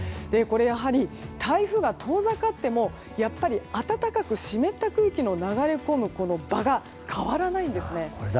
やはり、台風が遠ざかってもやっぱり暖かく湿った空気の流れ込む場が変わらないんですね。